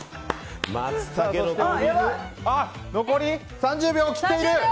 残り３０秒を切っている！